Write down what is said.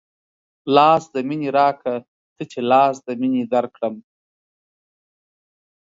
لاس د مينې راکه تۀ چې لاس د مينې درکړمه